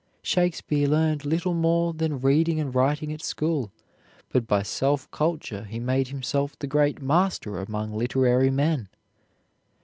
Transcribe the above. Shakespeare learned little more than reading and writing at school, but by self culture he made himself the great master among literary men.